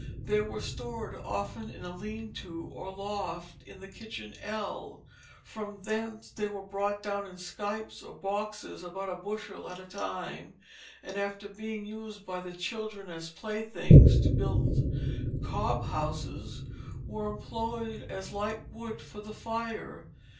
They were stored often in a lean to or loft in the kitchen ell; from thence they were brought down in skepes or boxes about a bushel at a time; and after being used by the children as playthings to build "cob houses," were employed as light wood for the fire.